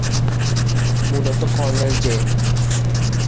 মূলত colonel J.